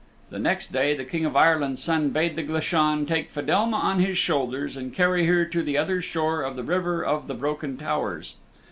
The next day the King of Ireland's Son bade the Glashan take Fedelma on his shoulders and carry her to the other shore of the River of the Broken Towers.